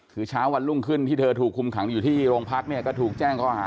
คือเช้าวันรุ่งขึ้นที่เธอถูกคุมขังอยู่ที่โรงพักเนี่ยก็ถูกแจ้งข้อหา